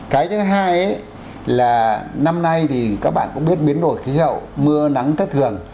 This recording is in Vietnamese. cái thứ hai là năm nay thì các bạn cũng biết biến đổi khí hậu mưa nắng thất thường